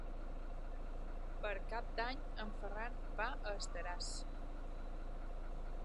Per Cap d'Any en Ferran va a Estaràs.